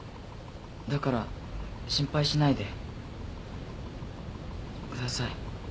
だから心配しないでください。